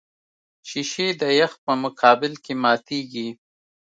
شیشې د یخ په مقابل کې ماتېږي.